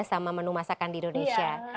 sama menu masakan di indonesia